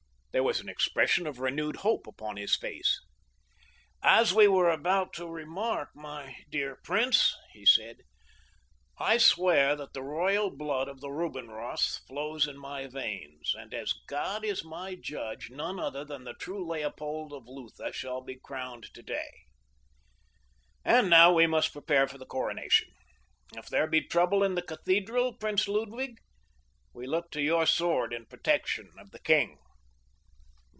There was an expression of renewed hope upon his face. "As we were about to remark, my dear prince," he said, "I swear that the royal blood of the Rubinroths flows in my veins, and as God is my judge, none other than the true Leopold of Lutha shall be crowned today. And now we must prepare for the coronation. If there be trouble in the cathedral, Prince Ludwig, we look to your sword in protection of the king."